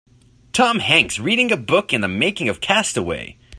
Tom hanks reading a book in the making of castaway.